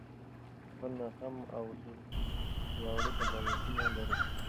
خپل ناسم او زاړه قضاوتونه لرې کړئ.